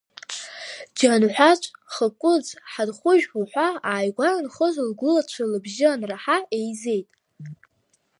Џьанҳәацә, Хакәыцә, Ҳаҭхәыжә уҳәа ааигәа инхоз лгәылацәа лыбжьы анраҳа, еизеит.